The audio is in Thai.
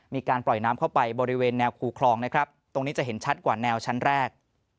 มีการปล่อยน้ำเข้าไปบริเวณแนวคูคลองนะครับตรงนี้จะเห็นชัดกว่าแนวชั้นแรก